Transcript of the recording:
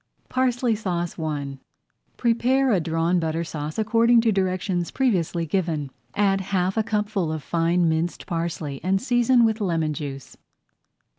PARSLEY SAUCE I Prepare a Drawn Butter Sauce according to directions previously given, add half a cupful of fine minced parsley, and season with lemon juice.